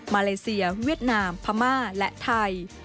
เลเซียเวียดนามพม่าและไทย